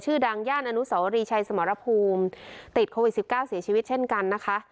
ดังย่านอนุสวรีชัยสมรภูมิติดโควิดสิบเก้าเสียชีวิตเช่นกันนะคะ